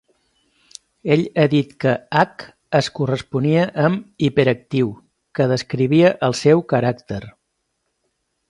Ell ha dit que "H" es corresponia amb "hiperactiu", que descrivia el seu caràcter.